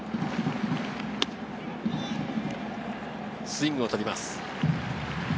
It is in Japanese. スイングを取ります。